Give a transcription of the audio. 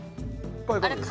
こういうことです。